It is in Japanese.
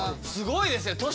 すごいですね！